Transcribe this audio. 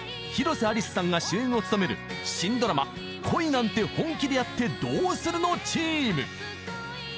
［広瀬アリスさんが主演を務める新ドラマ『恋なんて、本気でやってどうするの？』チーム］